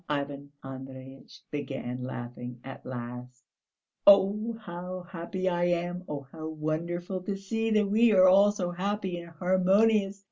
Ivan Andreyitch began laughing at last. "Oh, how happy I am! Oh, how wonderful to see that we are all so happy and harmonious!